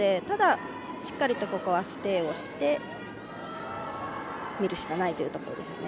ただ、しっかりとここはステイをしてみるしかないというところです。